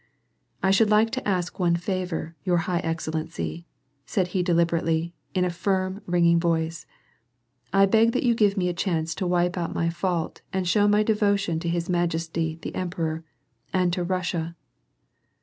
"I should like to ask one favor, your high excellency," said he deliberately, in a firm, ringing voice ;" I beg that you give me a chance to wipe out my fault and show my devotion to his Majesty the Emperor, and to Russia."